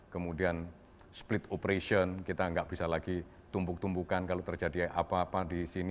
kemudian split operation kita nggak bisa lagi tumpuk tumpukan kalau terjadi apa apa di sini